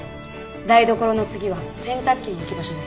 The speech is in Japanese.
台所の次は洗濯機の置き場所です。